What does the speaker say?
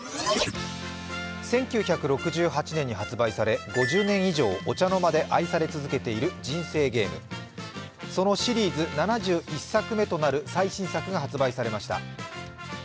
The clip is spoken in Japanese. １９６８年に発売され５０年以上お茶の間で愛され続けている「人生ゲーム」そのシリーズ７１作目となる最新作が発売されました。